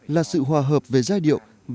là sự hòa hợp về giai điệu